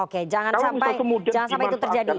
kalau misalnya kemudian dimanfaatkan